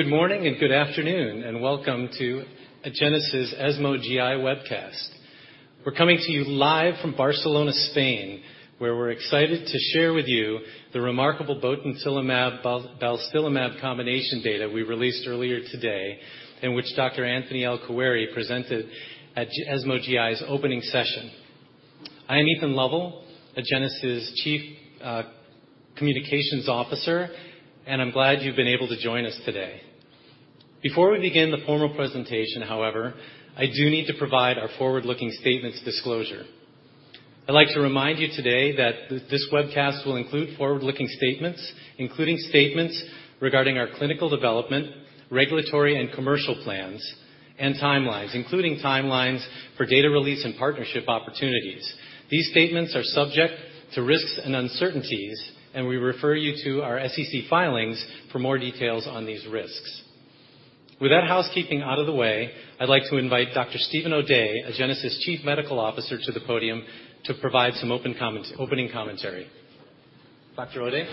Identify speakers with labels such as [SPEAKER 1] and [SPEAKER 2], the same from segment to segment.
[SPEAKER 1] Good morning and good afternoon, and welcome to Agenus' ESMO GI webcast. We're coming to you live from Barcelona, Spain, where we're excited to share with you the remarkable botensilimab balstilimab combination data we released earlier today, in which Dr. Anthony El-Khoueiry presented at ESMO GI's opening session. I am Ethan Lovell, Agenus' Chief Communications Officer, and I'm glad you've been able to join us today. Before we begin the formal presentation, however, I do need to provide our forward-looking statements disclosure. I'd like to remind you today that this webcast will include forward-looking statements, including statements regarding our clinical development, regulatory and commercial plans and timelines, including timelines for data release and partnership opportunities. These statements are subject to risks and uncertainties, and we refer you to our SEC filings for more details on these risks. With that housekeeping out of the way, I'd like to invite Dr. Steven O'Day, Agenus' Chief Medical Officer, to the podium to provide some opening commentary. Dr. O'Day.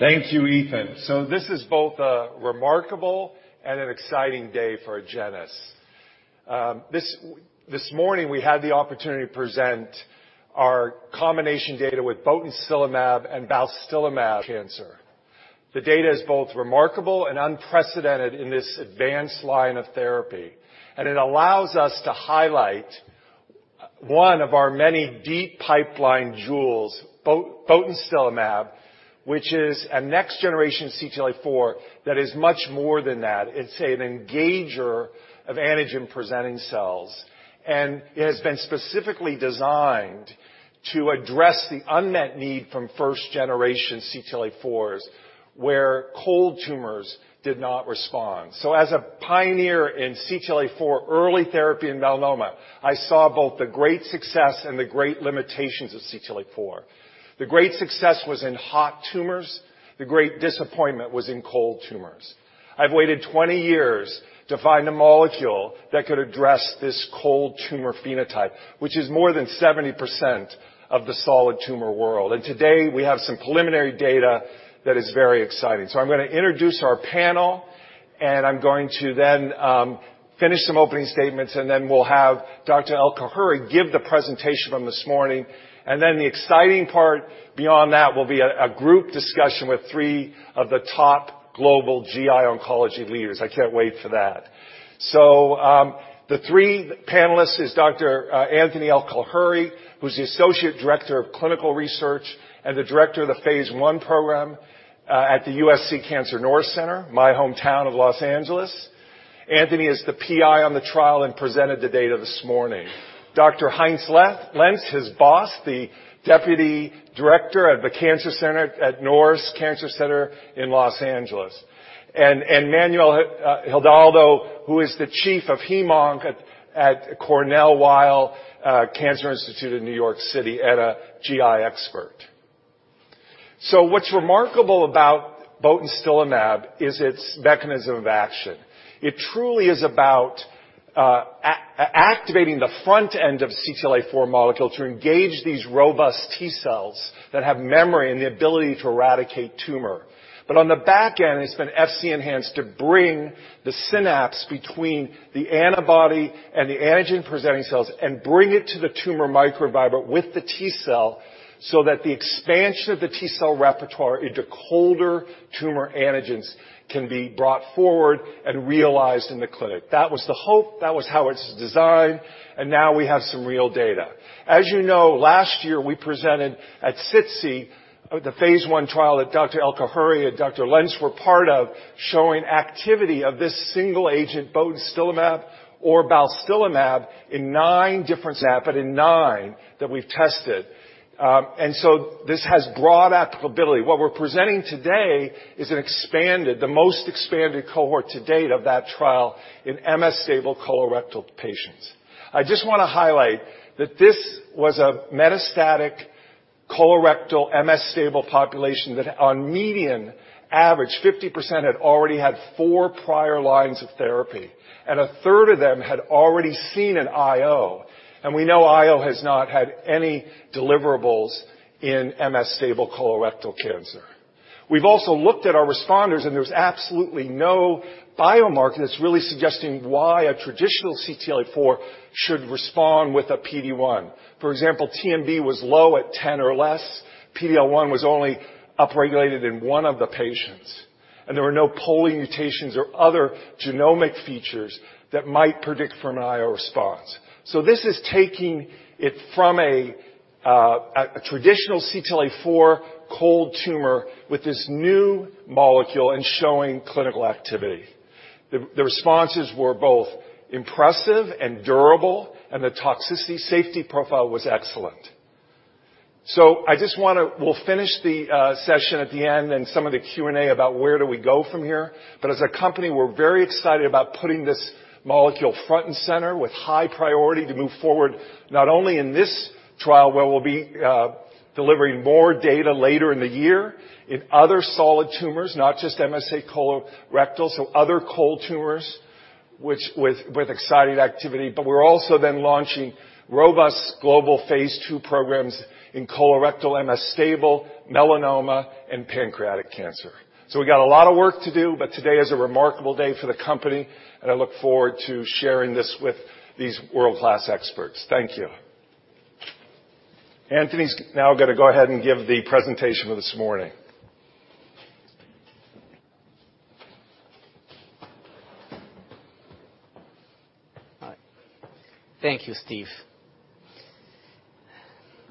[SPEAKER 2] Thank you, Ethan. This is both a remarkable and an exciting day for Agenus. This morning we had the opportunity to present our combination data with botensilimab and balstilimab in cancer. The data is both remarkable and unprecedented in this advanced line of therapy, and it allows us to highlight one of our many deep pipeline jewels, botensilimab, which is a next-generation CTLA-4 that is much more than that. It's an engager of antigen-presenting cells, and it has been specifically designed to address the unmet need from first-generation CTLA-4s, where cold tumors did not respond. As a pioneer in CTLA-4 early therapy in melanoma, I saw both the great success and the great limitations of CTLA-4. The great success was in hot tumors. The great disappointment was in cold tumors. I've waited 20 years to find a molecule that could address this cold tumor phenotype, which is more than 70% of the solid tumor world. Today, we have some preliminary data that is very exciting. I'm gonna introduce our panel, and I'm going to then finish some opening statements, and then we'll have Dr. El-Khoueiry give the presentation from this morning. Then the exciting part beyond that will be a group discussion with three of the top global GI oncology leaders. I can't wait for that. The three panelists is Dr. Anthony El-Khoueiry, who's the Associate Director of Clinical Research and the Director of the phase I program at the USC Cancer Norris Center, my hometown of Los Angeles. Anthony is the PI on the trial and presented the data this morning. Dr. Heinz Lenz, his boss, the Deputy Director at the Norris Cancer Center in Los Angeles. Manuel Hidalgo, who is the Chief of Hem/Onc at Cornell Weill Cancer Institute in New York City and a GI expert. What's remarkable about botensilimab is its mechanism of action. It truly is about activating the front end of CTLA-4 molecule to engage these robust T cells that have memory and the ability to eradicate tumor. On the back end, it's been Fc-enhanced to bring the synapse between the antibody and the antigen presenting cells and bring it to the tumor microenvironment with the T cell so that the expansion of the T cell repertoire into colder tumor antigens can be brought forward and realized in the clinic. That was the hope. That was how it's designed, and now we have some real data. As you know, last year we presented at SITC the phase I trial that Dr. El-Khoueiry and Dr. Lenz were part of, showing activity of this single agent botensilimab or balstilimab in nine that we've tested. This has broad applicability. What we're presenting today is the most expanded cohort to date of that trial in MSS-stable colorectal patients. I just wanna highlight that this was a metastatic colorectal MSS-stable population that on median average, 50% had already had four prior lines of therapy, and a third of them had already seen an IO. We know IO has not had any deliverables in MSS-stable colorectal cancer. We've also looked at our responders, and there's absolutely no biomarker that's really suggesting why a traditional CTLA-4 should respond with a PD-1. For example, TMB was low at 10 or less. PD-L1 was only upregulated in one of the patients, and there were no POLE mutations or other genomic features that might predict from an IO response. This is taking it from a traditional CTLA-4 cold tumor with this new molecule and showing clinical activity. The responses were both impressive and durable, and the toxicity safety profile was excellent. I just wanna. We'll finish the session at the end and some of the Q&A about where do we go from here. As a company, we're very excited about putting this molecule front and center with high priority to move forward, not only in this trial, where we'll be delivering more data later in the year in other solid tumors, not just MSS colorectal, so other cold tumors, which with exciting activity. We're also then launching robust global phase II programs in colorectal, MSS stable, melanoma, and pancreatic cancer. We got a lot of work to do, but today is a remarkable day for the company, and I look forward to sharing this with these world-class experts. Thank you. Anthony's now gonna go ahead and give the presentation for this morning.
[SPEAKER 3] Thank you, Steve.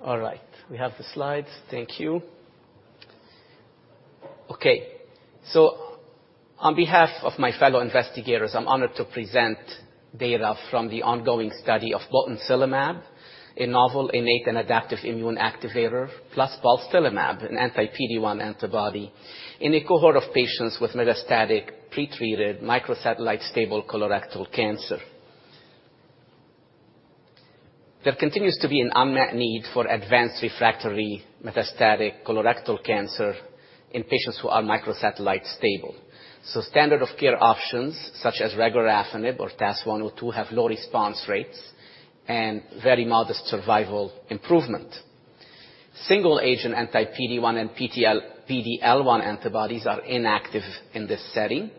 [SPEAKER 3] All right, we have the slides. Thank you. Okay. On behalf of my fellow investigators, I'm honored to present data from the ongoing study of botensilimab, a novel innate and adaptive immune activator, plus balstilimab, an anti-PD-1 antibody, in a cohort of patients with metastatic pretreated microsatellite stable colorectal cancer. There continues to be an unmet need for advanced refractory metastatic colorectal cancer in patients who are microsatellite stable. Standard of care options such as regorafenib or TAS-102 have low response rates and very modest survival improvement. Single-agent anti-PD-1 and PD-L1 antibodies are inactive in this setting.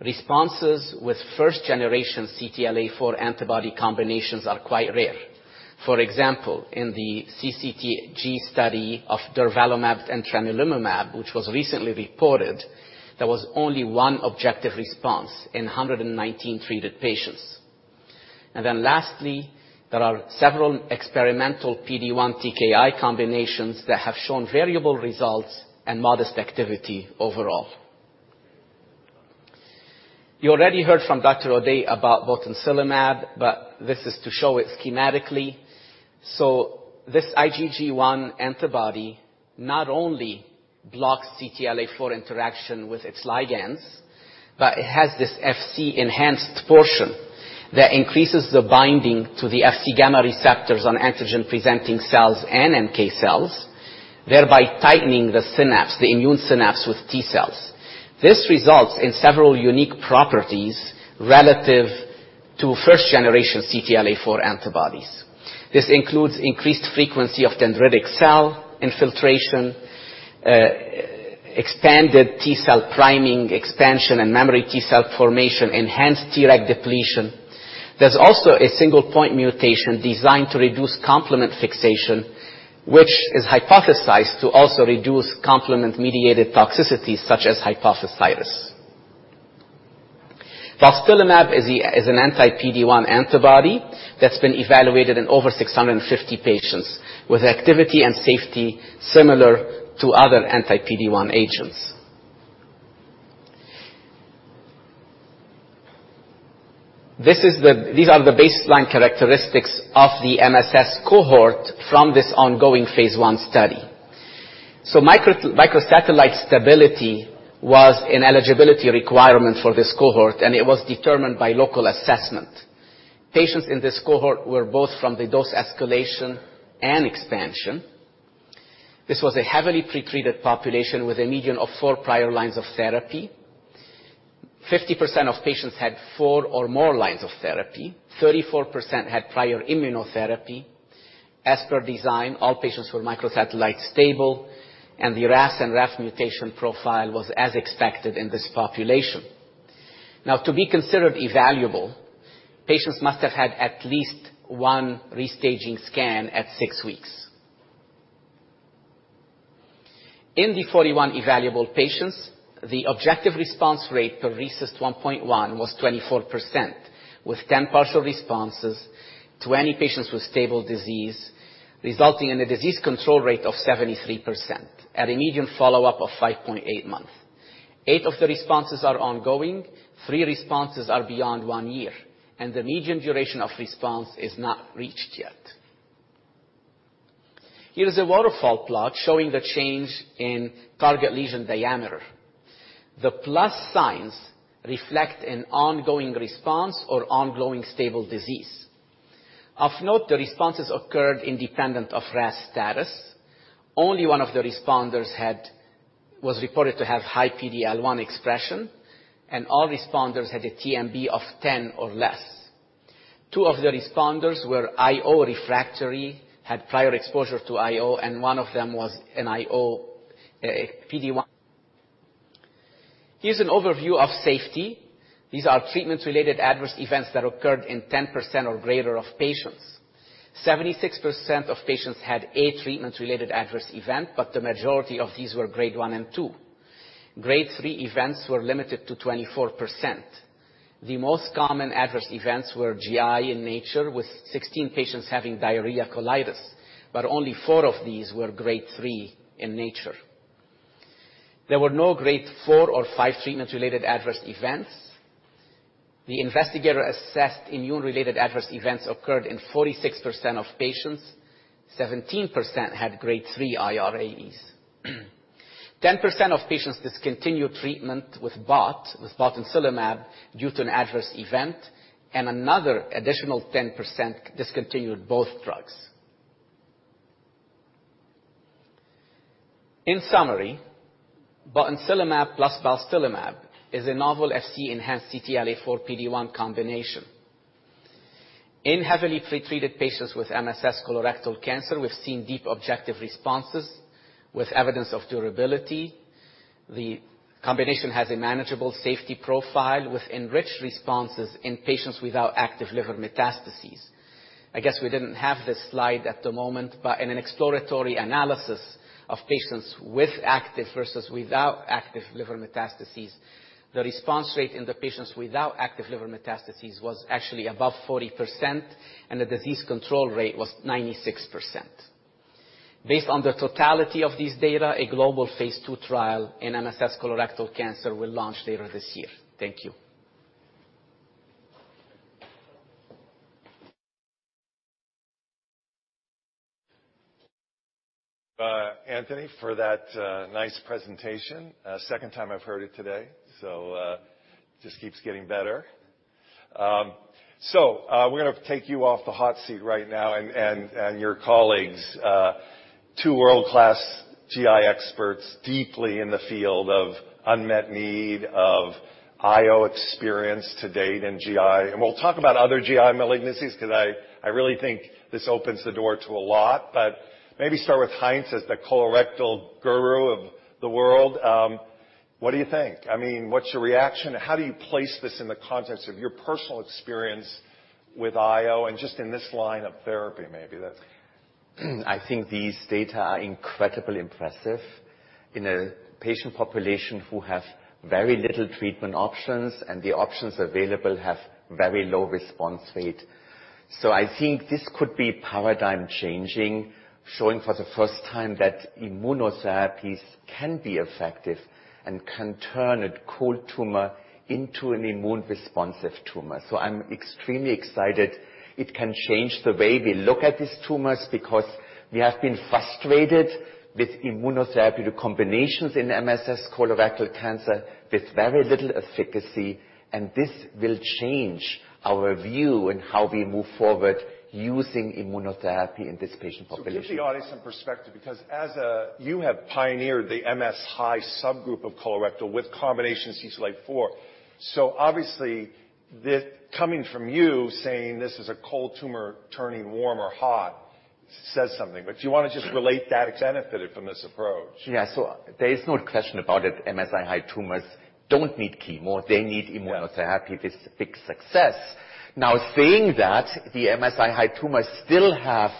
[SPEAKER 3] Responses with first generation CTLA-4 antibody combinations are quite rare. For example, in the CCTG study of durvalumab and tremelimumab, which was recently reported, there was only one objective response in 119 treated patients. There are several experimental PD-1 TKI combinations that have shown variable results and modest activity overall. You already heard from Dr. O'Day about botensilimab, but this is to show it schematically. This IgG1 antibody not only blocks CTLA-4 interaction with its ligands, but it has this Fc-enhanced portion that increases the binding to the Fc-gamma receptors on antigen-presenting cells and NK cells, thereby tightening the synapse, the immune synapse with T cells. This results in several unique properties relative to first generation CTLA-4 antibodies. This includes increased frequency of dendritic cell infiltration, expanded T cell priming expansion and memory T cell formation, enhanced Treg depletion. There's also a single point mutation designed to reduce complement fixation, which is hypothesized to also reduce complement-mediated toxicity such as hypophysitis. Balstilimab is an anti-PD-1 antibody that's been evaluated in over 650 patients with activity and safety similar to other anti-PD-1 agents. These are the baseline characteristics of the MSS cohort from this ongoing phase I study. Microsatellite stability was an eligibility requirement for this cohort, and it was determined by local assessment. Patients in this cohort were both from the dose escalation and expansion. This was a heavily pretreated population with a median of four prior lines of therapy. 50% of patients had four or more lines of therapy. 34% had prior immunotherapy. As per design, all patients were microsatellite stable, and the RAS and RAF mutation profile was as expected in this population. Now to be considered evaluable, patients must have had at least one restaging scan at six weeks. In the 41 evaluable patients, the objective response rate per RECIST 1.1 was 24%, with 10 partial responses, 20 patients with stable disease, resulting in a disease control rate of 73% at a median follow-up of 5.8 months. Eight of the responses are ongoing, three responses are beyond one year, and the median duration of response is not reached yet. Here is a waterfall plot showing the change in target lesion diameter. The plus signs reflect an ongoing response or ongoing stable disease. Of note, the responses occurred independent of RAS status. Only one of the responders was reported to have high PD-L1 expression, and all responders had a TMB of 10 or less. Two of the responders were IO refractory, had prior exposure to IO, and one of them was an IO, PD-1. Here's an overview of safety. These are treatment-related adverse events that occurred in 10% or greater of patients. 76% of patients had a treatment-related adverse event, but the majority of these were grade 1 and 2. Grade 3 events were limited to 24%. The most common adverse events were GI in nature, with 16 patients having diarrhea colitis, but only four of these were grade 3 in nature. There were no grade 4 or 5 treatment-related adverse events. The investigator-assessed immune-related adverse events occurred in 46% of patients. 17% had grade 3 IRAEs. 10% of patients discontinued treatment with botensilimab due to an adverse event, and another additional 10% discontinued both drugs. In summary, botensilimab + balstilimab is a novel Fc-enhanced CTLA-4 PD-1 combination. In heavily pre-treated patients with MSS colorectal cancer, we've seen deep objective responses with evidence of durability. The combination has a manageable safety profile with enriched responses in patients without active liver metastases. I guess we didn't have this slide at the moment, but in an exploratory analysis of patients with active versus without active liver metastases, the response rate in the patients without active liver metastases was actually above 40%, and the disease control rate was 96%. Based on the totality of this data, a global phase II trial in MSS colorectal cancer will launch later this year. Thank you.
[SPEAKER 2] Anthony, for that nice presentation. Second time I've heard it today, so just keeps getting better. We're gonna take you off the hot seat right now and your colleagues, two world-class GI experts deeply in the field of unmet need of IO experience to date in GI. We'll talk about other GI malignancies because I really think this opens the door to a lot, but maybe start with Heinz as the colorectal guru of the world. What do you think? I mean, what's your reaction? How do you place this in the context of your personal experience with IO and just in this line of therapy, maybe that's.
[SPEAKER 4] I think these data are incredibly impressive in a patient population who have very little treatment options, and the options available have very low response rate. I think this could be paradigm changing, showing for the first time that immunotherapies can be effective and can turn a cold tumor into an immune responsive tumor. I'm extremely excited it can change the way we look at these tumors because we have been frustrated with immunotherapy combinations in MSS colorectal cancer with very little efficacy, and this will change our view in how we move forward using immunotherapy in this patient population.
[SPEAKER 2] Give the audience some perspective because you have pioneered the MSI high subgroup of colorectal with combination CTLA-4. Obviously, coming from you saying this is a cold tumor turning warm or hot says something. But do you wanna just relate that benefited from this approach?
[SPEAKER 4] Yeah. There is no question about it. MSI-H tumors don't need chemo. They need immunotherapy. This is a big success. Now, saying that, the MSI-H tumors still have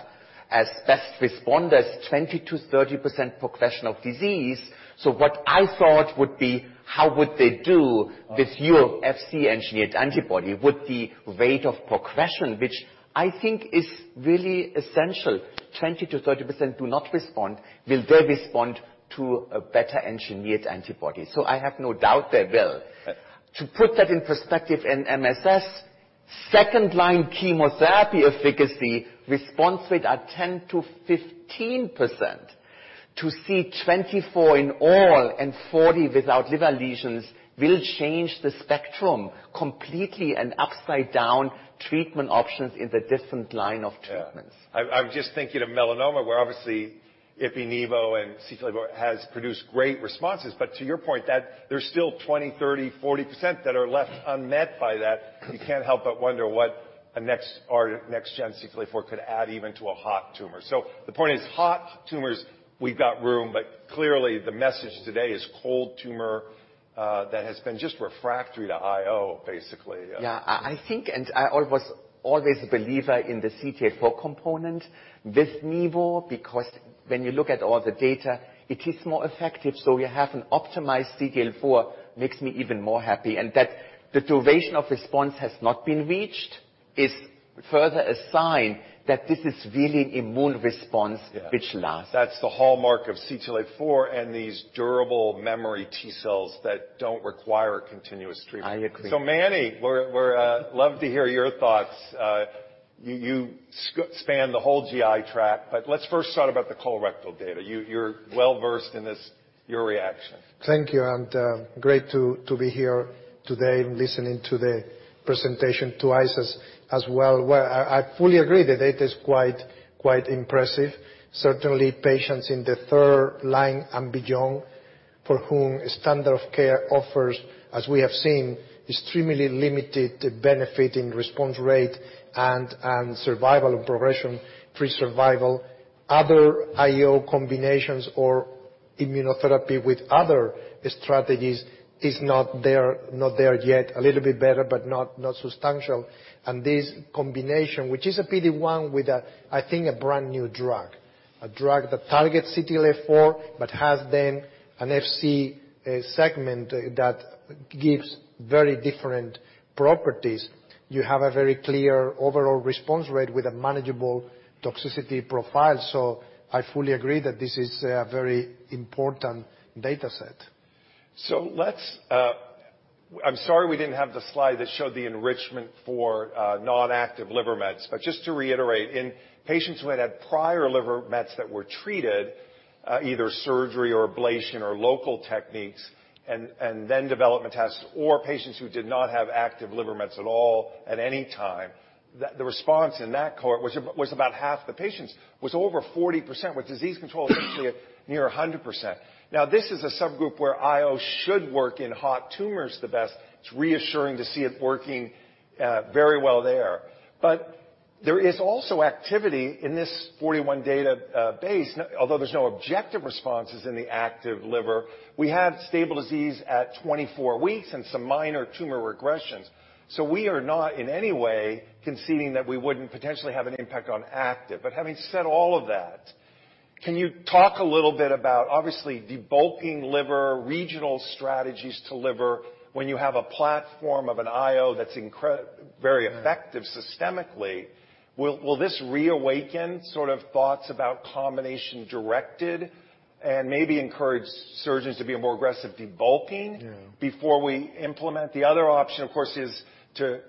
[SPEAKER 4] as best responders, 20%-30% progression of disease. What I thought would be how would they do.
[SPEAKER 2] Uh.
[SPEAKER 4] With your Fc-engineered antibody, would the rate of progression, which I think is really essential, 20%-30% do not respond, will they respond to a better-engineered antibody? I have no doubt they will.
[SPEAKER 2] Yeah.
[SPEAKER 3] To put that in perspective, in MSS, second line chemotherapy efficacy response rate are 10%-15%. To see 24 in all and 40 without liver lesions will change the spectrum completely and upside down treatment options in the different line of treatments.
[SPEAKER 2] Yeah. I was just thinking of melanoma, where obviously ipi/nivo and CTLA-4 has produced great responses. To your point that there's still 20%, 30%, 40% that are left unmet by that. You can't help but wonder what a next gen CTLA-4 could add even to a hot tumor. The point is hot tumors, we've got room, but clearly the message today is cold tumor that has been just refractory to IO, basically.
[SPEAKER 4] Yeah. I think, and I was always a believer in the CTLA-4 component with nivo, because when you look at all the data, it is more effective. You have an optimized CTLA-4 makes me even more happy, and that the duration of response has not been reached, is further a sign that this is really immune response which lasts.
[SPEAKER 2] Yeah. That's the hallmark of CTLA-4 and these durable memory T cells that don't require continuous treatment.
[SPEAKER 3] I agree.
[SPEAKER 2] Manny, we'd love to hear your thoughts. You span the whole GI tract, but let's first start about the colorectal data. You're well-versed in this. Your reaction.
[SPEAKER 5] Thank you, and great to be here today listening to the presentation twice as well. Well, I fully agree. The data is quite impressive. Certainly, patients in the third line and beyond for whom standard of care offers, as we have seen, extremely limited benefit in response rate and survival and progression-free survival. Other IO combinations or immunotherapy with other strategies is not there yet. A little bit better, but not substantial. This combination, which is a PD-1 with a, I think, a brand-new drug, a drug that targets CTLA-4 but has then an Fc segment that gives very different properties. You have a very clear overall response rate with a manageable toxicity profile. I fully agree that this is a very important data set.
[SPEAKER 2] Let's I'm sorry we didn't have the slide that showed the enrichment for non-active liver mets. Just to reiterate, in patients who had prior liver mets that were treated either surgery or ablation or local techniques and then development tests, or patients who did not have active liver mets at all at any time, the response in that cohort was about half the patients, was over 40%, with disease control essentially near 100%. Now, this is a subgroup where IO should work in hot tumors the best. It's reassuring to see it working very well there. There is also activity in this 41 database. Although there's no objective responses in the active liver, we have stable disease at 24 weeks and some minor tumor regressions. We are not in any way conceding that we wouldn't potentially have an impact on active. Having said all of that, can you talk a little bit about obviously debulking liver, regional strategies to liver when you have a platform of an IO that's very effective systemically, will this reawaken sort of thoughts about combination directed and maybe encourage surgeons to be more aggressive debulking?
[SPEAKER 5] Yeah.
[SPEAKER 2] Before we implement? The other option, of course, is to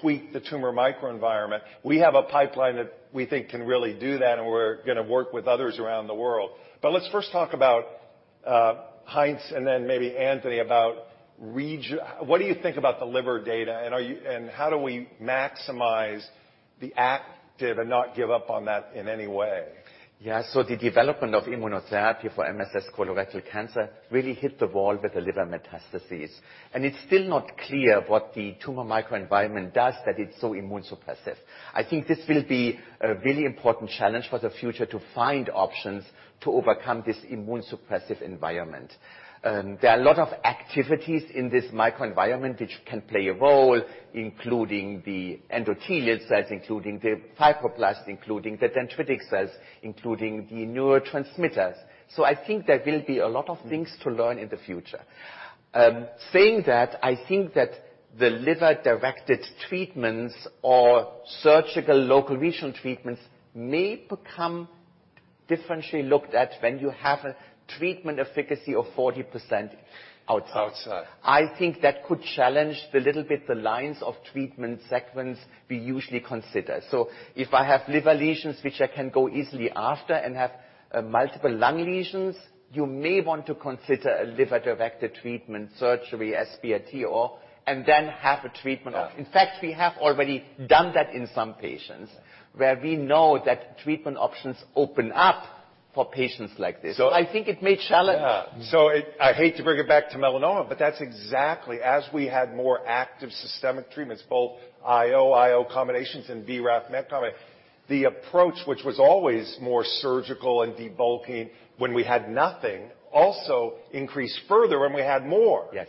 [SPEAKER 2] tweak the tumor microenvironment. We have a pipeline that we think can really do that, and we're gonna work with others around the world. But let's first talk about Heinz and then maybe Anthony about rego, what do you think about the liver data and how do we maximize the active and not give up on that in any way?
[SPEAKER 4] Yeah. The development of immunotherapy for MSS colorectal cancer really hit the wall with the liver metastases. It's still not clear what the tumor microenvironment does that it's so immune suppressive. I think this will be a really important challenge for the future to find options to overcome this immune suppressive environment. There are a lot of activities in this microenvironment which can play a role, including the endothelial cells, including the fibroblasts, including the dendritic cells, including the neurotransmitters. I think there will be a lot of things to learn in the future. Saying that, I think that the liver-directed treatments or surgical local regional treatments may become differently looked at when you have a treatment efficacy of 40% outside.
[SPEAKER 2] Outside.
[SPEAKER 4] I think that could challenge a little bit the lines of treatment segments we usually consider. If I have liver lesions which I can go easily after and have multiple lung lesions, you may want to consider a liver-directed treatment surgery, SBRT, or and then have a treatment option. In fact, we have already done that in some patients where we know that treatment options open up for patients like this.
[SPEAKER 2] So-
[SPEAKER 4] I think it may challenge.
[SPEAKER 2] Yeah. I hate to bring it back to melanoma, but that's exactly as we had more active systemic treatments, both IO combinations and BRAF mechanisms. The approach, which was always more surgical and debulking when we had nothing, also increased further when we had more
[SPEAKER 4] Yes.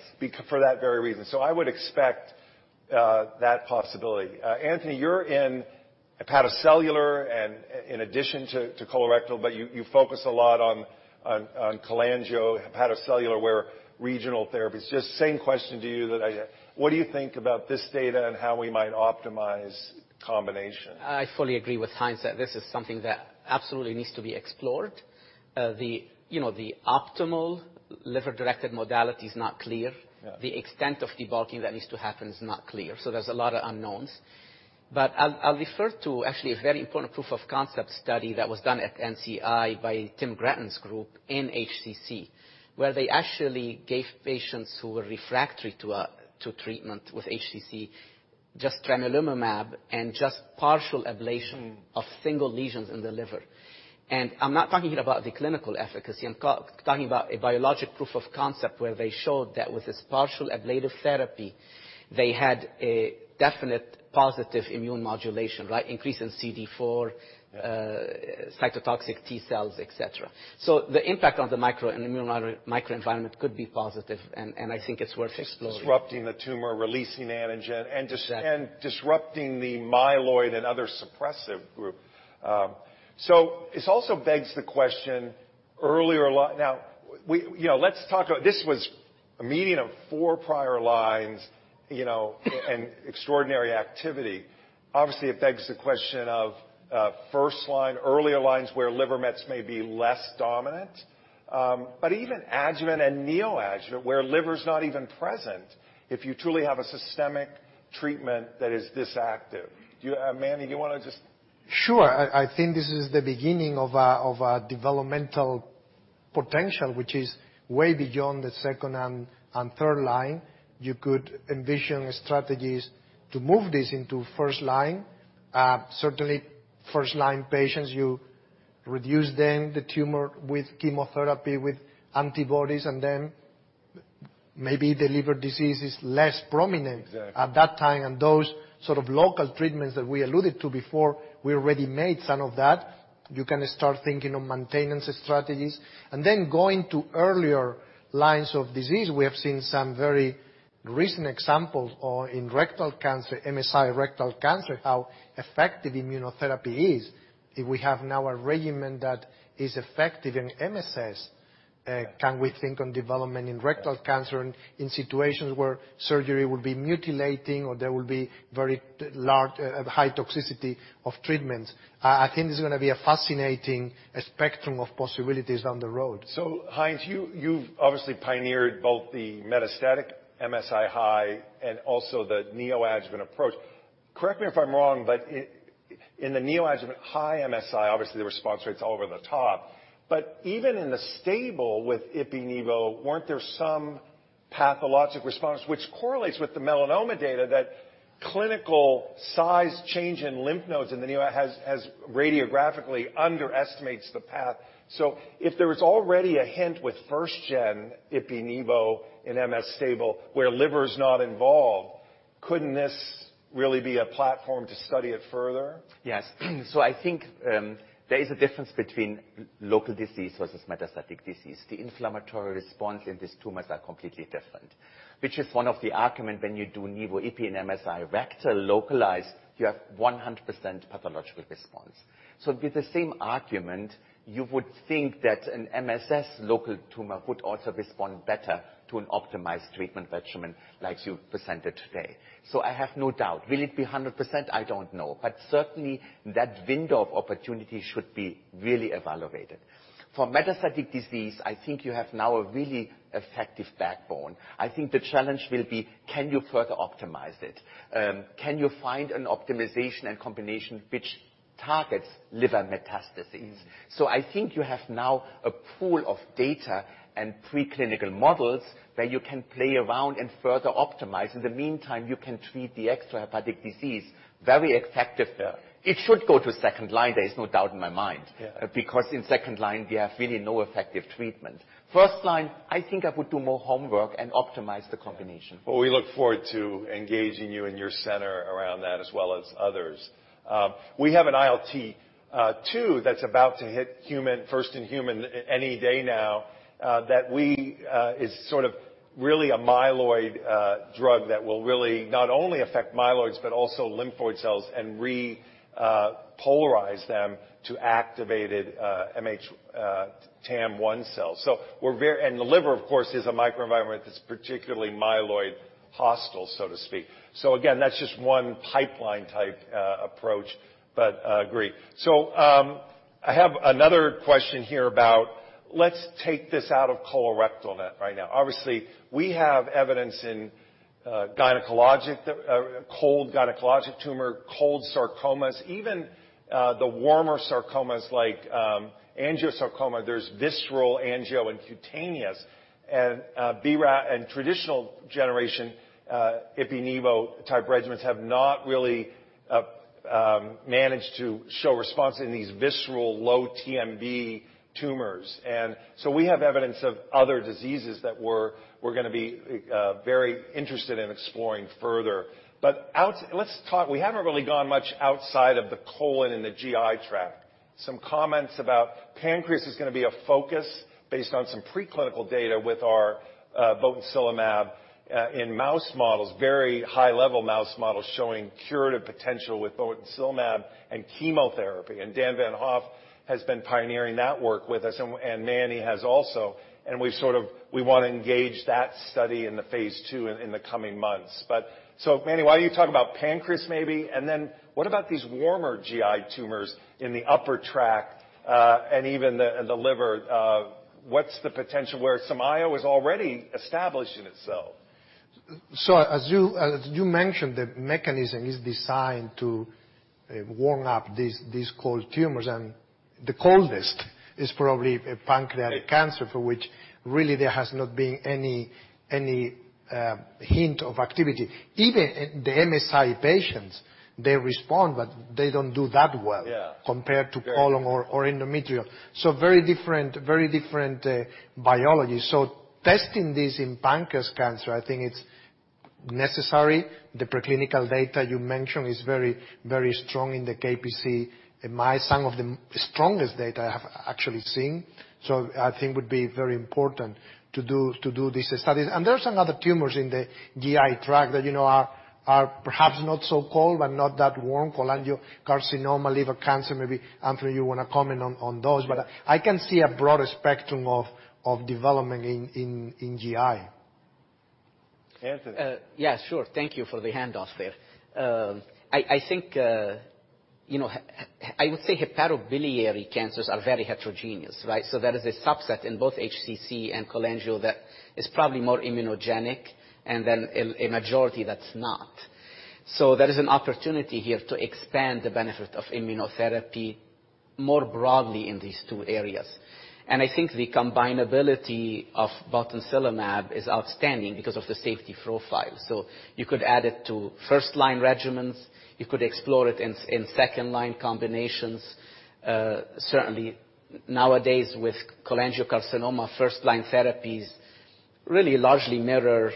[SPEAKER 2] For that very reason. I would expect that possibility. Anthony, you're in hepatocellular and in addition to colorectal, but you focus a lot on cholangiocarcinoma, hepatocellular where regional therapy is just the same question to you that I had. What do you think about this data and how we might optimize combination?
[SPEAKER 3] I fully agree with Heinz that this is something that absolutely needs to be explored. You know, the optimal liver-directed modality is not clear.
[SPEAKER 2] Yeah.
[SPEAKER 3] The extent of debulking that needs to happen is not clear. There's a lot of unknowns. I'll refer to actually a very important proof of concept study that was done at NCI by Tim Greten's group in HCC, where they actually gave patients who were refractory to treatment with HCC just tremelimumab and just partial ablation of single lesions in the liver. I'm not talking about the clinical efficacy, I'm talking about a biologic proof of concept where they showed that with this partial ablative therapy, they had a definite positive immune modulation, like increase in CD4, cytotoxic T cells, etc. The impact on the micro and immuno-microenvironment could be positive, and I think it's worth exploring.
[SPEAKER 2] Disrupting the tumor, releasing antigen, and disrupting the myeloid and other suppressive group. So this also begs the question, you know, let's talk about this was a median of four prior lines, you know, and extraordinary activity. Obviously, it begs the question of, first line, earlier lines where liver mets may be less dominant, but even adjuvant and neoadjuvant where liver is not even present if you truly have a systemic treatment that is this active. Do you, Manny, you wanna just.
[SPEAKER 5] Sure. I think this is the beginning of a developmental potential which is way beyond the second and third line. You could envision strategies to move this into first line. Certainly first line patients, you reduce then the tumor with chemotherapy, with antibodies, and then maybe the liver disease is less prominent.
[SPEAKER 2] Exactly.
[SPEAKER 5] At that time. Those sort of local treatments that we alluded to before, we already made some of that. You can start thinking of maintenance strategies. Then going to earlier lines of disease, we have seen some very recent examples or in rectal cancer, MSI rectal cancer, how effective immunotherapy is. If we have now a regimen that is effective in MSS, can we think on development in rectal cancer and in situations where surgery will be mutilating or there will be very large, high toxicity of treatments? I think it's gonna be a fascinating spectrum of possibilities down the road.
[SPEAKER 2] Heinz, you've obviously pioneered both the metastatic MSI-H and also the neoadjuvant approach. Correct me if I'm wrong, but in the neoadjuvant MSI-H, obviously the response rate is over the top. Even in the stable with ipi/nivo, weren't there some pathologic response which correlates with the melanoma data that clinical size change in lymph nodes has radiographically underestimates the path. If there was already a hint with 1st-gen ipi/nivo in MSS stable where liver is not involved. Couldn't this really be a platform to study it further?
[SPEAKER 4] Yes. I think, there is a difference between local disease versus metastatic disease. The inflammatory response in these tumors are completely different, which is one of the argument when you do nivo-ipi in MSI rectal localized, you have 100% pathological response. With the same argument, you would think that an MSS local tumor would also respond better to an optimized treatment regimen like you presented today. I have no doubt. Will it be 100%? I don't know. But certainly, that window of opportunity should be really evaluated. For metastatic disease, I think you have now a really effective backbone. I think the challenge will be, can you further optimize it? Can you find an optimization and combination which targets liver metastases? I think you have now a pool of data and preclinical models where you can play around and further optimize. In the meantime, you can treat the extrahepatic disease very effective.
[SPEAKER 2] Yeah.
[SPEAKER 4] It should go to second line, there is no doubt in my mind.
[SPEAKER 2] Yeah.
[SPEAKER 4] Because in second line, we have really no effective treatment. First line, I think I would do more homework and optimize the combination.
[SPEAKER 2] Well, we look forward to engaging you and your center around that as well as others. We have an ILT2 that's about to hit first in human any day now that is sort of really a myeloid drug that will really not only affect myeloids but also lymphoid cells and repolarize them to activated [TAM 1] cells. The liver, of course, is a microenvironment that's particularly myeloid hostile, so to speak. Again, that's just one pipeline-type approach, but agree. I have another question here about. Let's take this out of colorectal and right now. Obviously, we have evidence in gynecologic cold tumors, cold sarcomas, even the warmer sarcomas like angiosarcoma. There's visceral, angio, and cutaneous, and BRAF and traditional generation ipi/nivo type regimens have not really managed to show response in these visceral low TMB tumors. We have evidence of other diseases that we're gonna be very interested in exploring further. We haven't really gone much outside of the colon and the GI tract. Some comments about pancreas is gonna be a focus based on some preclinical data with our botensilimab in mouse models, very high-level mouse models showing curative potential with botensilimab and chemotherapy. Dan Von Hoff has been pioneering that work with us, and Manny has also. We sort of wanna engage that study in the phase II in the coming months. Manny, why don't you talk about pancreas maybe, and then what about these warmer GI tumors in the upper tract, and even the liver? What's the potential where chemo-IO is already established in itself?
[SPEAKER 5] As you mentioned, the mechanism is designed to warm up these cold tumors, and the coldest is probably a pancreatic cancer for which really there has not been any hint of activity. Even the MSI patients, they respond, but they don't do that well.
[SPEAKER 2] Yeah
[SPEAKER 5] Compared to colon or endometrial. Very different biology. Testing this in pancreas cancer, I think it's necessary. The preclinical data you mentioned is very strong in the KPC. Some of the strongest data I have actually seen. I think would be very important to do these studies. There are some other tumors in the GI tract that, you know, are perhaps not so cold, but not that warm. Cholangiocarcinoma, liver cancer. Maybe Anthony, you wanna comment on those. I can see a broader spectrum of development in GI.
[SPEAKER 2] Anthony.
[SPEAKER 3] Yeah, sure. Thank you for the handoff there. I think, you know, I would say hepatobiliary cancers are very heterogeneous, right? There is a subset in both HCC and cholangiocarcinoma that is probably more immunogenic and then a majority that's not. There is an opportunity here to expand the benefit of immunotherapy more broadly in these two areas. I think the combinability of botensilimab is outstanding because of the safety profile. You could add it to first-line regimens, you could explore it in second-line combinations. Certainly nowadays with cholangiocarcinoma, first-line therapies really largely mirror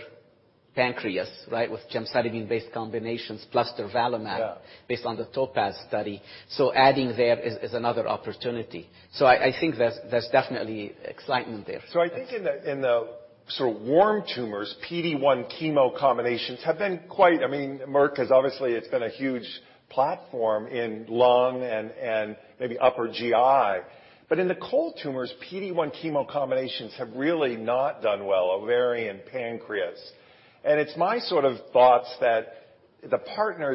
[SPEAKER 3] pancreas, right? With gemcitabine-based combinations plus durvalumab based on the TOPAZ study. Adding there is another opportunity. I think there's definitely excitement there.
[SPEAKER 2] I think in the sort of warm tumors, PD-1 chemo combinations have been quite, I mean, Merck has obviously, it's been a huge platform in lung and maybe upper GI. In the cold tumors, PD-1 chemo combinations have really not done well, ovarian, pancreas. It's my sort of thoughts that the partner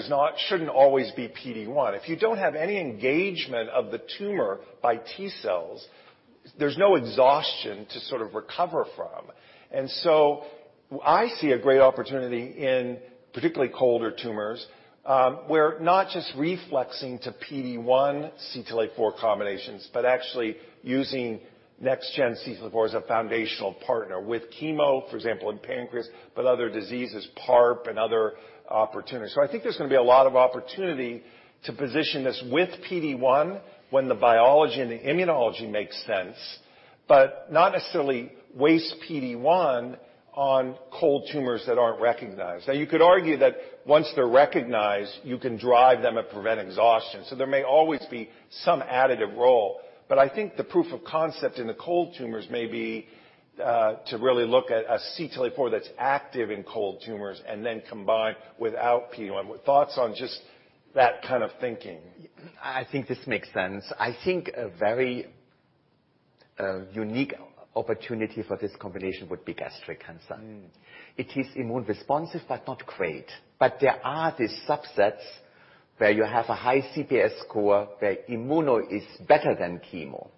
[SPEAKER 2] shouldn't always be PD-1. If you don't have any engagement of the tumor by T cells, there's no exhaustion to sort of recover from. I see a great opportunity in particularly colder tumors, where not just reflexing to PD-1/CTLA-4 combinations, but actually using next-gen CTLA-4 as a foundational partner with chemo, for example, in pancreas, but other diseases, PARP and other opportunities. I think there's gonna be a lot of opportunity to position this with PD-1 when the biology and the immunology makes sense. Not necessarily waste PD-1 on cold tumors that aren't recognized. Now, you could argue that once they're recognized, you can drive them and prevent exhaustion. There may always be some additive role. I think the proof of concept in the cold tumors may be to really look at a CTLA-4 that's active in cold tumors and then combine without PD-1. Thoughts on just that kind of thinking.
[SPEAKER 3] I think this makes sense. I think a very unique opportunity for this combination would be gastric cancer.
[SPEAKER 2] Mm.
[SPEAKER 3] It is immune responsive, but not great. There are these subsets where you have a high CPS score, where immuno is better than chemo.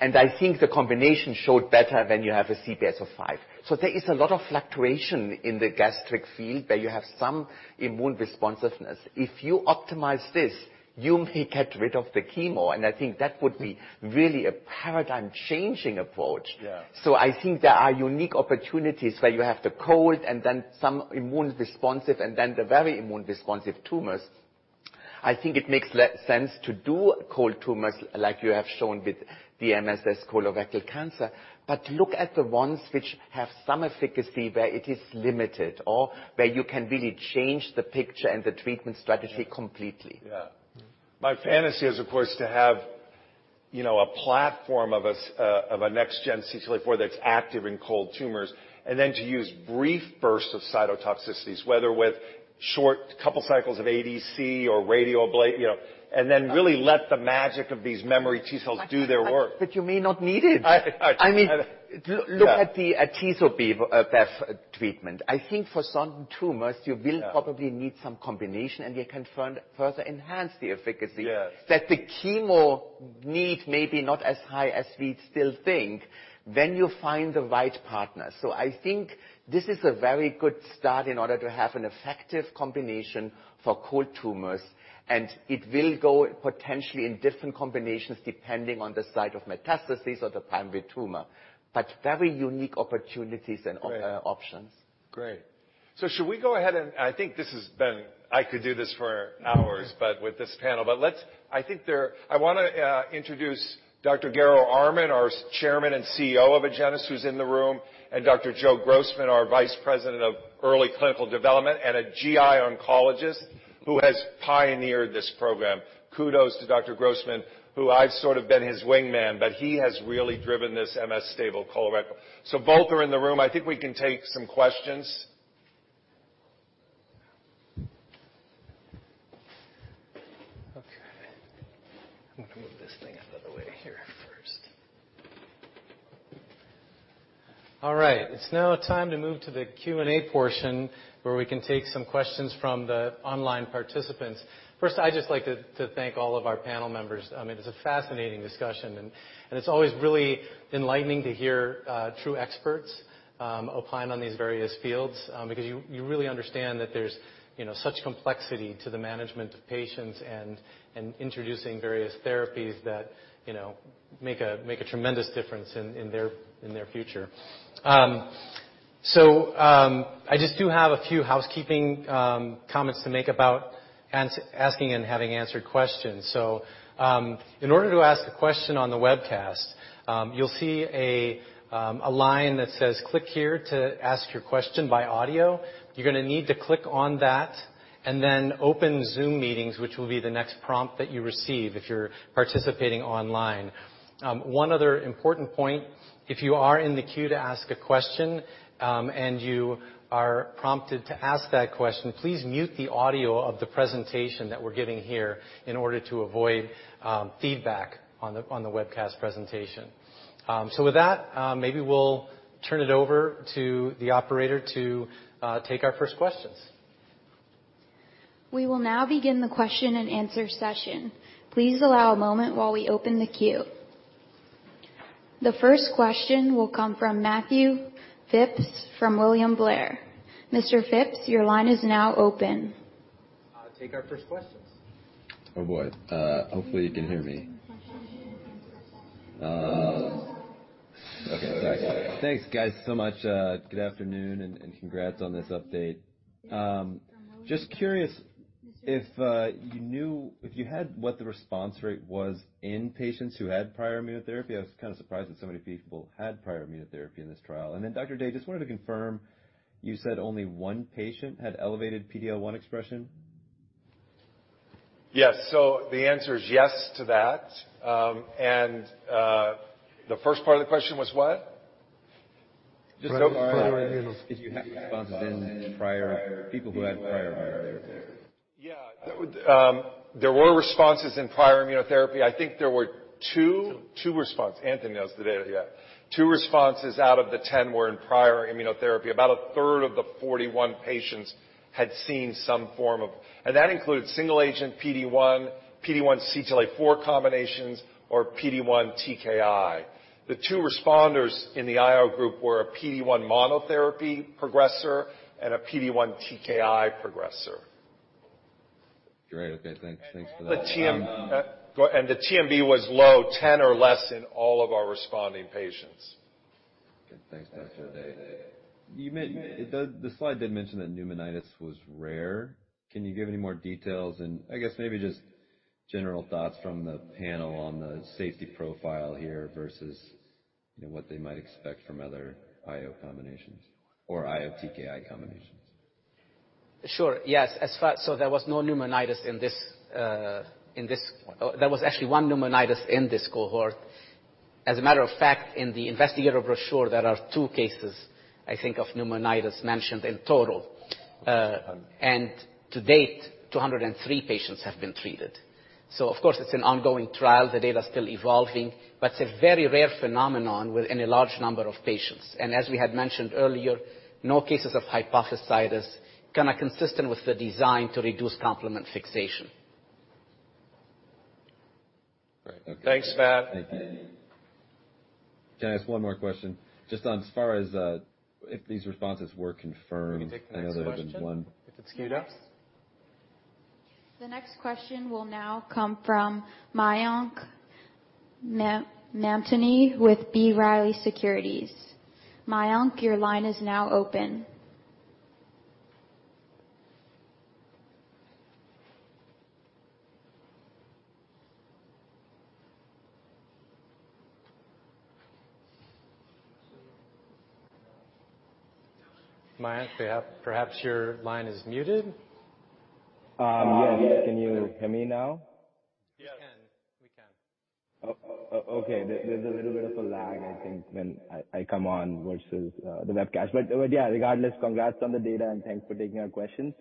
[SPEAKER 3] I think the combination showed better when you have a CPS of 5. There is a lot of fluctuation in the gastric field, where you have some immune responsiveness. If you optimize this, you may get rid of the chemo, and I think that would be really a paradigm-changing approach.
[SPEAKER 2] Yeah.
[SPEAKER 3] I think there are unique opportunities where you have the cold and then some immune responsive and then the very immune responsive tumors. I think it makes sense to do cold tumors like you have shown with the MSS colorectal cancer. Look at the ones which have some efficacy where it is limited or where you can really change the picture and the treatment strategy completely.
[SPEAKER 2] Yeah. My fantasy is, of course, to have, you know, a platform of a next-gen CTLA-4 that's active in cold tumors, and then to use brief bursts of cytotoxicities, whether with short couple cycles of ADC or radioablate, you know. Really let the magic of these memory T cells do their work.
[SPEAKER 3] You may not need it.
[SPEAKER 2] I-
[SPEAKER 3] I mean.
[SPEAKER 2] Yeah.
[SPEAKER 3] Look at the atezo-bev treatment. I think for some tumors.
[SPEAKER 2] Yeah.
[SPEAKER 3] You will probably need some combination, and you can further enhance the efficacy.
[SPEAKER 2] Yes. That the chemo need may be not as high as we still think when you find the right partner. I think this is a very good start in order to have an effective combination for cold tumors, and it will go potentially in different combinations depending on the site of metastasis or the primary tumor. Very unique opportunities and options. Great. Great. I could do this for hours, but with this panel. Let's introduce Dr. Garo Armen, our Chairman and CEO of Agenus, who's in the room, and Dr. Joe Grossman, our Vice President of Early Clinical Development and a GI oncologist who has pioneered this program. Kudos to Dr. Grossman, who I've sort of been his wingman, but he has really driven this MSS-stable colorectal. Both are in the room. I think we can take some questions.
[SPEAKER 1] Okay. I'm gonna move this thing out of the way here first. All right. It's now time to move to the Q&A portion, where we can take some questions from the online participants. First, I'd just like to thank all of our panel members. I mean, it's a fascinating discussion and it's always really enlightening to hear true experts opine on these various fields because you really understand that there's, you know, such complexity to the management of patients and introducing various therapies that, you know, make a tremendous difference in their future. So I just do have a few housekeeping comments to make about asking and having answered questions. In order to ask the question on the webcast, you'll see a line that says, "Click here to ask your question by audio." You're gonna need to click on that and then open Zoom meetings, which will be the next prompt that you receive if you're participating online. One other important point, if you are in the queue to ask a question, and you are prompted to ask that question, please mute the audio of the presentation that we're giving here in order to avoid feedback on the webcast presentation. With that, maybe we'll turn it over to the operator to take our first questions.
[SPEAKER 6] We will now begin the question-and-answer session. Please allow a moment while we open the queue. The first question will come from Matthew Phipps from William Blair. Mr. Phipps, your line is now open.
[SPEAKER 1] Take our first questions.
[SPEAKER 7] Oh, boy. Hopefully you can hear me. Okay, sorry. Thanks, guys, so much. Good afternoon, and congrats on this update. Just curious if you had what the response rate was in patients who had prior immunotherapy. I was kind of surprised that so many people had prior immunotherapy in this trial. Dr. O'Day, just wanted to confirm, you said only one patient had elevated PD-L1 expression?
[SPEAKER 2] Yes. The answer is yes to that. The first part of the question was what?
[SPEAKER 7] Just if you had responses in people who had prior immunotherapy.
[SPEAKER 2] Yeah. There were responses in prior immunotherapy. I think there were two responses. Anthony knows the data, yeah. Two responses out of the 10 were in prior immunotherapy. About 1/3 of the 41 patients had seen some form of. That includes single-agent PD-1, PD-1/CTLA-4 combinations, or PD-1 TKI. The two responders in the IO group were a PD-1 monotherapy progressor and a PD-1 TKI progressor.
[SPEAKER 7] Great. Okay. Thanks. Thanks for that.
[SPEAKER 2] The TMB was low, 10 or less in all of our responding patients.
[SPEAKER 7] Thanks, Dr. O'Day. The slide did mention that pneumonitis was rare. Can you give any more details? I guess maybe just general thoughts from the panel on the safety profile here versus, you know, what they might expect from other IO combinations or IO TKI combinations.
[SPEAKER 3] Sure. Yes. There was no pneumonitis in this. Oh, there was actually one pneumonitis in this cohort. As a matter of fact, in the investigator brochure, there are two cases, I think, of pneumonitis mentioned in total. To date, 203 patients have been treated. Of course, it's an ongoing trial, the data is still evolving, but it's a very rare phenomenon within a large number of patients. As we had mentioned earlier, no cases of hepatitis or colitis kind of consistent with the design to reduce complement fixation.
[SPEAKER 7] Great. Okay.
[SPEAKER 1] Thanks, Matt.
[SPEAKER 7] Thank you. Can I ask one more question? Just on as far as, if these responses were confirmed?
[SPEAKER 1] Can we take the next question if it's queued up?
[SPEAKER 6] The next question will now come from Mayank Mamtani with B. Riley Securities. Mayank, your line is now open.
[SPEAKER 1] Mayank, perhaps your line is muted.
[SPEAKER 8] Yes. Can you hear me now?
[SPEAKER 1] Yes. We can.
[SPEAKER 8] Okay. There's a little bit of a lag, I think, when I come on versus the web cache. But yeah, regardless, congrats on the data, and thanks for taking our questions.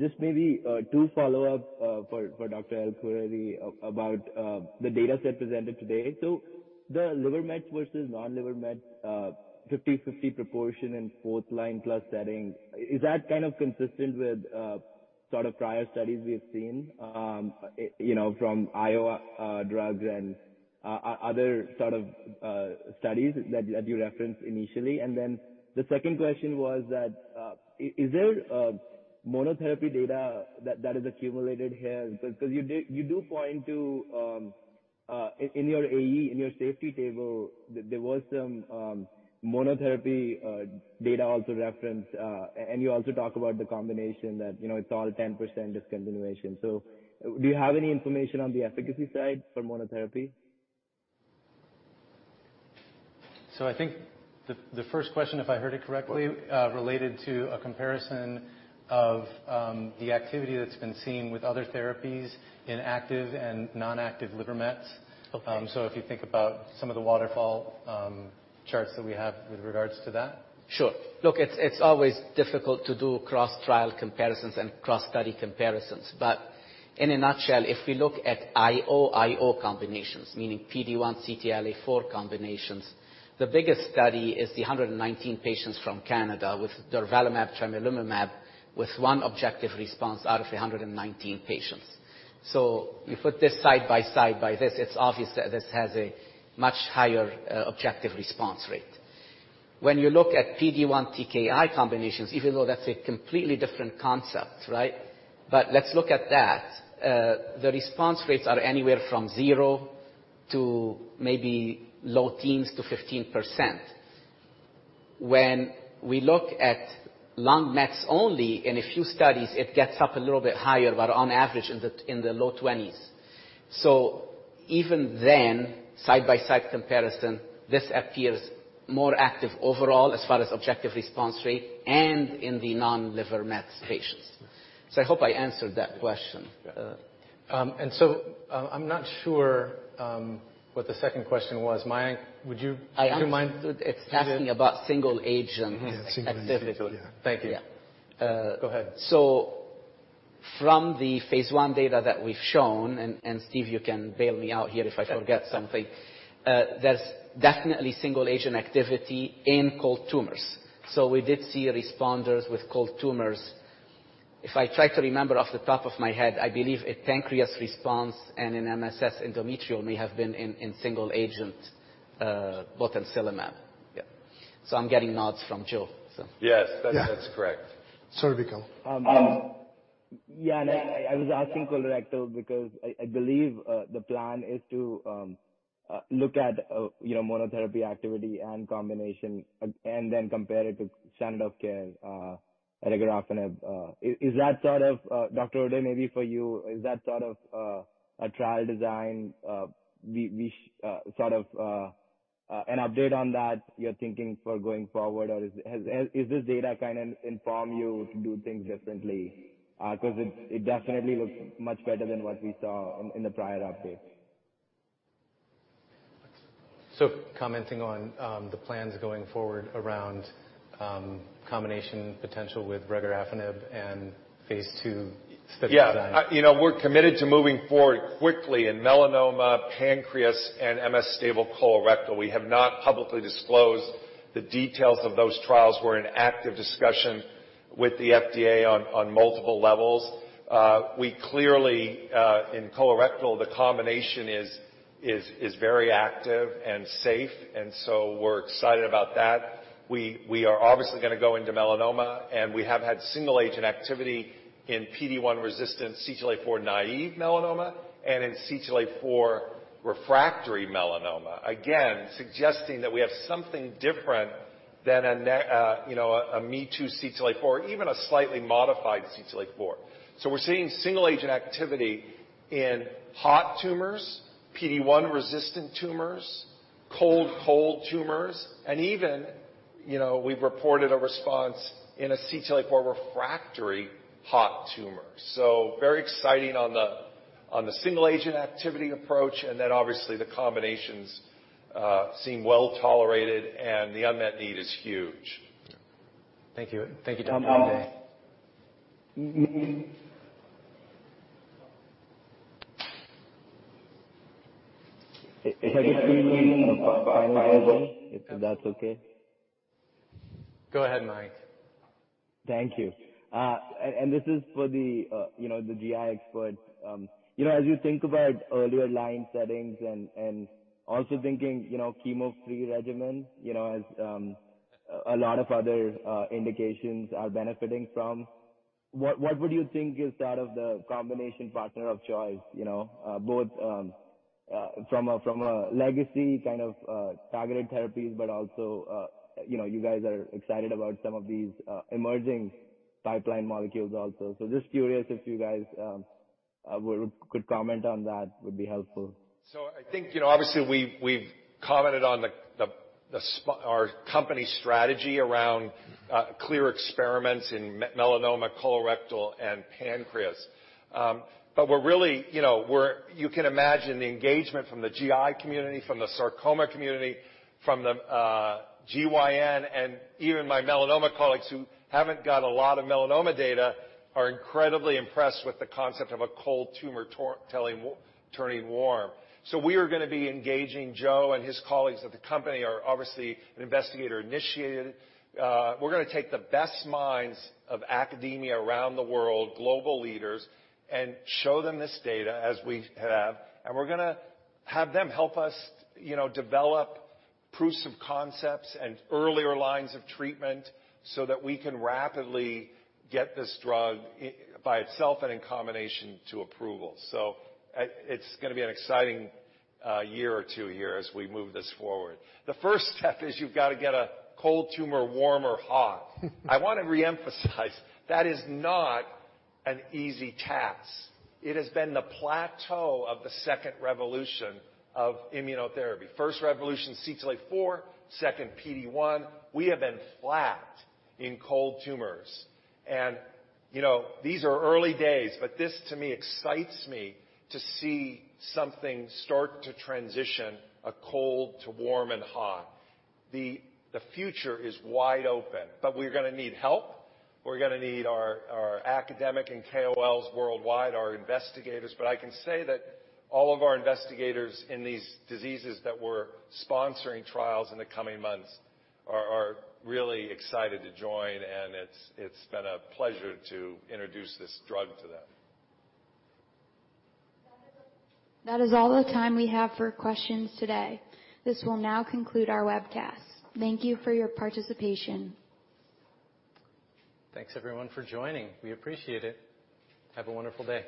[SPEAKER 8] Just maybe two follow-up for Dr. El-Khoueiry about the data set presented today. The liver mets versus non-liver met 50/50 proportion in fourth line plus setting, is that kind of consistent with sort of prior studies we have seen, you know, from IO drugs and other sort of studies that you referenced initially? And then the second question was that, is there monotherapy data that is accumulated here? Because you do point to in your AE in your safety table there was some monotherapy data also referenced and you also talk about the combination that you know it's all 10% discontinuation. Do you have any information on the efficacy side for monotherapy?
[SPEAKER 1] I think the first question, if I heard it correctly, related to a comparison of the activity that's been seen with other therapies in active and non-active liver mets.
[SPEAKER 8] Okay.
[SPEAKER 1] If you think about some of the waterfall charts that we have with regards to that.
[SPEAKER 3] Sure. Look, it's always difficult to do cross trial comparisons and cross study comparisons. In a nutshell, if we look at IO/IO combinations, meaning PD-1/CTLA-4 combinations, the biggest study is the 119 patients from Canada with durvalumab, tremelimumab, with one objective response out of 119 patients. You put this side by side with this, it's obvious that this has a much higher objective response rate. When you look at PD-1 TKI combinations, even though that's a completely different concept, right? Let's look at that. The response rates are anywhere from 0% to maybe low teens to 15%. When we look at lung mets only, in a few studies, it gets up a little bit higher, but on average in the low 20%s. Even then, side by side comparison, this appears more active overall as far as objective response rate and in the non-liver mets patients. I hope I answered that question.
[SPEAKER 8] Yeah.
[SPEAKER 1] Uh...
[SPEAKER 3] I'm not sure what the second question was. Mayank, would you?
[SPEAKER 8] I understood.
[SPEAKER 3] Do you mind?
[SPEAKER 8] It's asking about single agent.
[SPEAKER 1] Mm-hmm.
[SPEAKER 3] Single agent.
[SPEAKER 8] Activity.
[SPEAKER 1] Yeah. Thank you.
[SPEAKER 8] Yeah.
[SPEAKER 1] Go ahead.
[SPEAKER 3] From the phase I data that we've shown, and Steven, you can bail me out here if I forget something. There's definitely single agent activity in cold tumors. We did see responders with cold tumors. If I try to remember off the top of my head, I believe a pancreas response and an MSS endometrial may have been in single agent botensilimab. Yeah. I'm getting nods from Joe.
[SPEAKER 9] Yes. Yeah. That's correct. Cervical.
[SPEAKER 8] I was asking colorectal because I believe the plan is to look at you know, monotherapy activity and combination and then compare it to standard of care regorafenib. Is that sort of Dr. O'Day, maybe for you, is that sort of a trial design, sort of an update on that you're thinking for going forward? Or is this data gonna inform you to do things differently? 'Cause it definitely looks much better than what we saw in the prior update.
[SPEAKER 1] Commenting on the plans going forward around combination potential with regorafenib and phase II study design.
[SPEAKER 2] Yeah. You know, we're committed to moving forward quickly in melanoma, pancreas, and MSS colorectal. We have not publicly disclosed the details of those trials. We're in active discussion with the FDA on multiple levels. We clearly, in colorectal, the combination is very active and safe, and so we're excited about that. We are obviously gonna go into melanoma, and we have had single-agent activity in PD-1 resistant CTLA-4 naive melanoma and in CTLA-4 refractory melanoma, again, suggesting that we have something different than a me-too CTLA-4, even a slightly modified CTLA-4. We're seeing single-agent activity in hot tumors, PD-1 resistant tumors, cold tumors, and even, you know, we've reported a response in a CTLA-4 refractory hot tumor. Very exciting on the single agent activity approach, and then, obviously, the combinations seem well-tolerated, and the unmet need is huge.
[SPEAKER 1] Thank you. Thank you.
[SPEAKER 8] If I could pre-leave a final one, if that's okay.
[SPEAKER 1] Go ahead, Mayank.
[SPEAKER 8] Thank you. This is for the, you know, the GI expert. You know, as you think about earlier line settings and also thinking, you know, chemo-free regimen, you know, as a lot of other indications are benefiting from, what would you think is that of the combination partner of choice, you know? Both from a legacy kind of targeted therapies, but also, you know, you guys are excited about some of these emerging pipeline molecules also. Just curious if you guys could comment on that would be helpful.
[SPEAKER 2] I think, you know, obviously, we've commented on our company strategy around clinical experiments in melanoma, colorectal, and pancreas. But we're really, you know, you can imagine the engagement from the GI community, from the sarcoma community, from the GYN, and even my melanoma colleagues who haven't got a lot of melanoma data are incredibly impressed with the concept of a cold tumor turning warm. We are gonna be engaging Joe and his colleagues at the company are obviously an investigator-initiated. We're gonna take the best minds of academia around the world, global leaders, and show them this data as we have, and we're gonna have them help us, you know, develop proofs of concepts and earlier lines of treatment so that we can rapidly get this drug by itself and in combination to approval. It's gonna be an exciting year or two here as we move this forward. The first step is you've got to get a cold tumor warm or hot. I wanna reemphasize, that is not an easy task. It has been the plateau of the second revolution of immunotherapy. First revolution, CTLA-4. Second, PD-1. We have been flat in cold tumors. You know, these are early days, but this to me excites me to see something start to transition a cold to warm and hot. The future is wide open, but we're gonna need help. We're gonna need our academic and KOLs worldwide, our investigators. I can say that all of our investigators in these diseases that we're sponsoring trials in the coming months are really excited to join, and it's been a pleasure to introduce this drug to them.
[SPEAKER 6] That is all the time we have for questions today. This will now conclude our webcast. Thank you for your participation.
[SPEAKER 1] Thanks everyone for joining. We appreciate it. Have a wonderful day.